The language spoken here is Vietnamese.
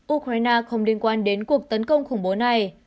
ukraine không liên quan đến cuộc tấn công khủng bố này